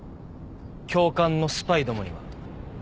教官のスパイどもには。